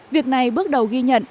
việc này bước đầu ghi nhận